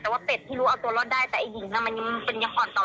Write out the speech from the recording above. แต่ว่าเป็ดพี่รู้เอาตัวรอดได้แต่อายหญิงน่ะมันยังเป็นยังหอดต่อโลก